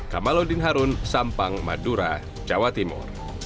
kamaludin harun sampang madura jawa timur